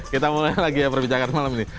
kita mulai lagi ya perbincangan malam ini